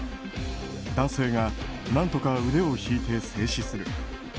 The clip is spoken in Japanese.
男性が何とか腕を引いて制止する。